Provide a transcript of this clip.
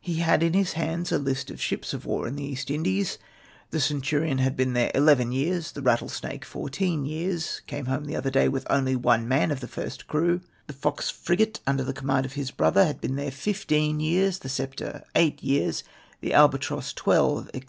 He had in his hands a list of ships of war in the East Indies. The Centurion had been there eleven years — the Rattlesnake, fourteen years, came home the other day, with only one man of the first crew — the Fox frigate, under the command of his brother, had been there fifteen years — the Sce ptre eight years — the Albatross twelve, &c.